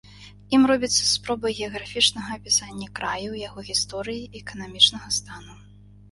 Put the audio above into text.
Ім робіцца спроба геаграфічнага апісання краю, яго гісторыі і эканамічнага стану.